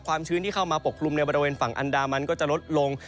ชื้นที่เข้ามาปกกลุ่มในบริเวณฝั่งอันดามันก็จะลดลง